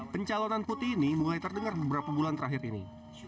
pencalonan putih ini mulai terdengar beberapa bulan terakhir ini